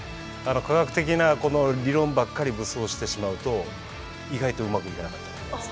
科学的なこの理論ばっかり武装してしまうと意外とうまくいかなかったりするんですね。